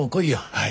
はい。